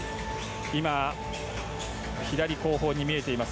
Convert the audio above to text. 今、左後方に見えています